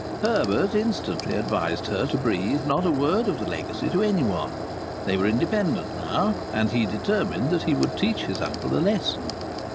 Herbert instantly advised her to breathe not a word of the legacy to anyone. They were independent now, and he determined that he would teach his uncle a lesson.